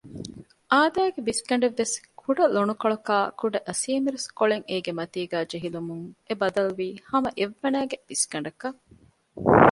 އާދައިގެ ބިސްގަނޑެއްވެސް ކުޑަ ލޮނުކޮޅަކާއި ކުޑަ އަސޭމިރުސްކޮޅެއް އޭގެ މަތީގައި ޖެހިލުމުން އެ ބަދަލުވީ ހަމަ އެއްވަނައިގެ ބިސްގަނޑަކަށް